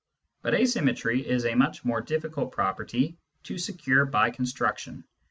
But asymmetry is a much more difficult property to secure by construction.